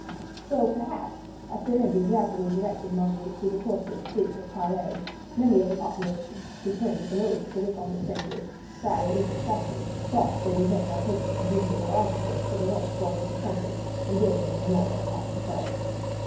So, perhaps, as Sir Andrew gradually directed Marguerite through the tortuous streets of Calais, many of the population, who turned with an oath to look at the strangers clad in the English fashion, thought that they were bent on purchasing dutiable articles for their own fog ridden country, and gave them no more than a passing thought.